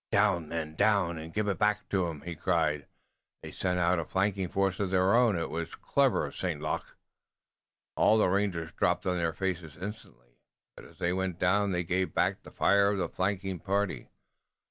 "Down, men! Down and give it back to 'em!" he cried. "They've sent out a flanking force of their own! It was clever of St. Luc!" All the rangers dropped on their faces instantly, but as they went down they gave back the fire of the flanking party.